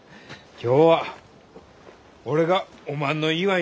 今日は俺がおまんの祝いに来たがぞ！